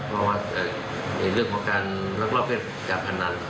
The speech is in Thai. เพราะว่าในเรื่องของการรักรอบเพศจากธรรมนั้น